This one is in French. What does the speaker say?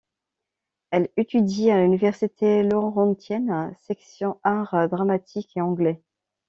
Elle étudie à l'Université Laurentienne, section art dramatique et anglais.